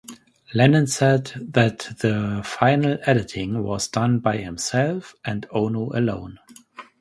Lennon said that the final editing was done by himself and Ono alone.